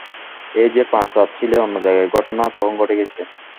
ঐ যে পাঁচ রাত ছিলে অন্য জায়গায়, ঘটনা তখন ঘটে গেছে।